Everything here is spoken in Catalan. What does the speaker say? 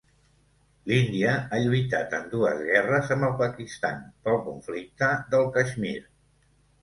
L'Índia ha lluitat en dues guerres amb el Pakistan pel Conflicte del Caixmir.